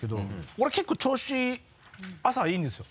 俺結構調子朝はいいんですよ。